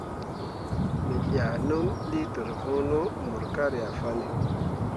Me ʼyah nəm liiter voŋno mok ka ryah fanne.